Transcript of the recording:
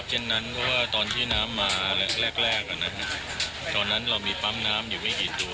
เช่นนั้นเพราะว่าตอนที่น้ำมาแรกแรกตอนนั้นเรามีปั๊มน้ำอยู่ไม่กี่ตัว